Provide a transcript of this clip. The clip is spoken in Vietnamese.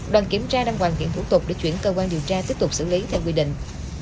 đoàn kiểm tra đang hoàn thiện thủ tục để chuyển cơ quan điều tra tiếp tục xử lý theo quy định